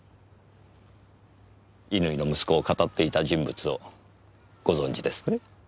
乾の息子をかたっていた人物をご存じですね？